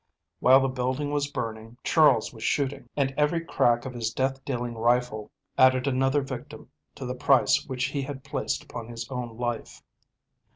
While the building was burning Charles was shooting, and every crack of his death dealing rifle added another victim to the price which he had placed upon his own life.